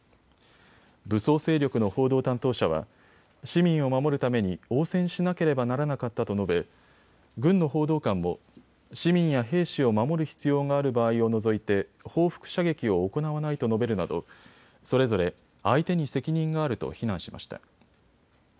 武装勢力の報道担当者は市民を守るために応戦しなければならなかったと述べ軍の報道官も市民や兵士を守る必要がある場合を除いて報復射撃を行わないと述べるなどそれぞれ相手に責任があると非難しました。